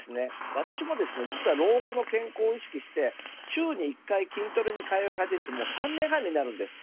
私も実は老後の健康を意識して週に１回、筋トレにかよい初めてもう３年半になります。